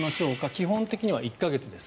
基本的には１か月です。